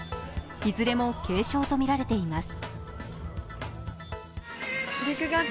いずれも軽傷とみられています。